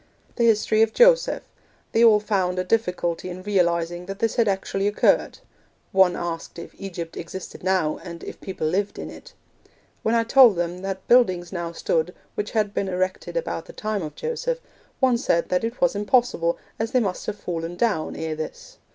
The history of Joseph: they all found a difficulty in realising that this had actually occurred. One asked if Egypt existed now, and if people lived in it. When I told them that buildings now stood which had been erected about the time of Joseph, one said that it was impossible, as they must have fallen down ere this.